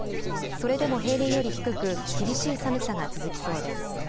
それでも平年より低く厳しい寒さが続きそうです。